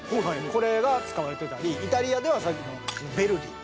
これが使われてたりイタリアではさっきのヴェルディ。